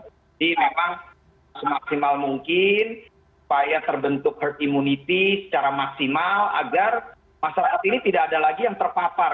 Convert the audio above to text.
jadi memang semaksimal mungkin supaya terbentuk herd immunity secara maksimal agar masyarakat ini tidak ada lagi yang terpapar